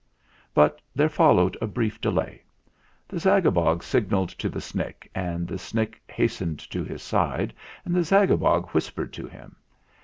But there followed a brief delay. The Zag abog signalled to the Snick, and the Snick has tened to his side, and the Zagabog whispered to him.